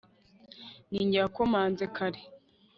ni njye wakomanze kare